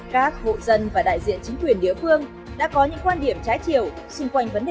các hộ dân và đại diện chính quyền địa phương đã có những quan điểm trái chiều xung quanh vấn đề